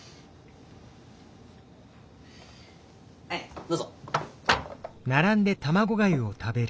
はいどうぞ。